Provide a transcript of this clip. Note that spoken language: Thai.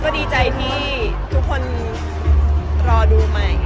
ดีใจที่ทุกคนศึกษาตะค่อนข้าง